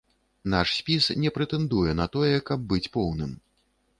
Наш спіс не прэтэндуе на тое, каб быць поўным.